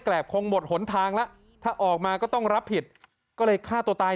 คงหมดหนทางแล้วถ้าออกมาก็ต้องรับผิดก็เลยฆ่าตัวตาย